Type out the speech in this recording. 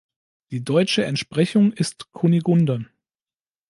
Die deutsche Entsprechung ist Kunigunde.